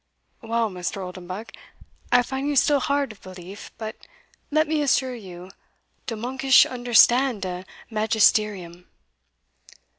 "Well, Mr. Oldenbuck, I find you still hard of belief but let me assure you, de monksh understood de magisterium."